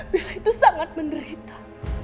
bella itu sangat menderita